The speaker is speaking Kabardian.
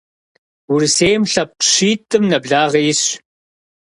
Урысейм лъэпкъ щитӏым нэблагъэ исщ.